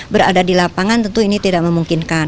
berada di lapangan tentu ini tidak memungkinkan